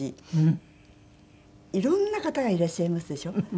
いろんな方がいらっしゃいますでしょ？